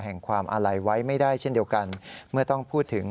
แห่งความอาลัยไว้ไม่ได้เช่นเดียวกันเมื่อต้องพูดถึง